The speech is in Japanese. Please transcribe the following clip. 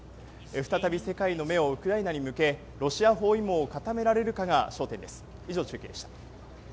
再び世界の目をウクライナに向けロシア包囲網を固められるかが焦点です。